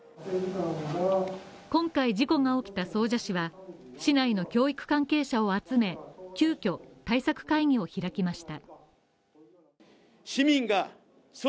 今回事故が起きた総社市は、市内の教育関係者を集め、急きょ対策会議を開きました。